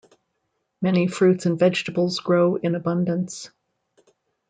Many fruits and vegetables grow in abundance.